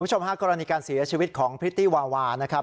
คุณผู้ชมฮะกรณีการเสียชีวิตของพริตตี้วาวานะครับ